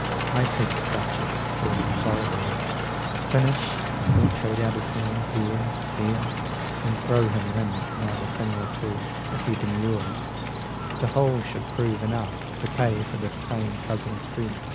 I take the subjects for his corridor, 235 Finish the portrait out of hand there, there, And throw him in another thing or two If he demurs; the whole should prove enough To pay for this same Cousin's freak.